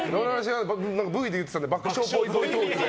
Ｖで言ってたので爆笑ぽいぽいトークって。